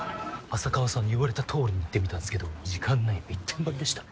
浅川さんに言われたとおりに行ってみたんすけど時間ないの一点張りでした。